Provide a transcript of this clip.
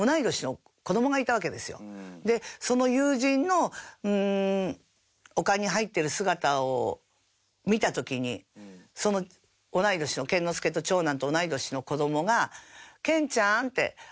でその友人のお棺に入ってる姿を見た時にその同い年の健之介と長男と同い年の子供が。